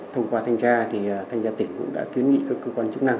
thông qua thanh tra thì thanh gia tỉnh cũng đã kiến nghị các cơ quan chức năng